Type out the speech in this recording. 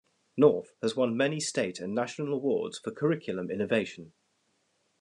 North has won many state and national awards for curriculum innovation.